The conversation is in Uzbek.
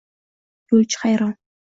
Yo’lchi hayron